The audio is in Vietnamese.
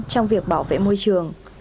trong việc bảo vệ môi trường